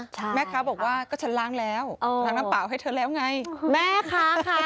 ใช่แม่ค้าบอกว่าก็ฉันล้างแล้วล้างน้ำเปล่าให้เธอแล้วไงแม่ค้าค่ะ